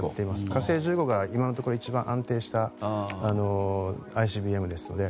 「火星１５」が今のところ、一番安定したＩＣＢＭですので。